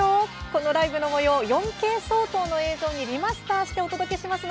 このライブのもよう４Ｋ相当の映像にリマスターしてお届けします。